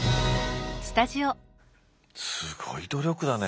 すごい努力だね。